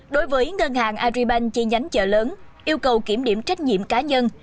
đối với ngân hàng aribank chi nhánh chợ lớn yêu cầu kiểm điểm trách nhiệm cá nhân